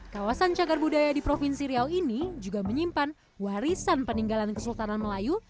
kawasan cagar budaya di provinsi riau ini juga menyimpan warisan peninggalan kesultanan melayu